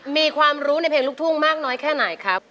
มีความรู้ในเพลงลูกทุ่งมากน้อยแค่ไหนครับ